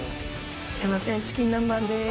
すいませんチキン南蛮です。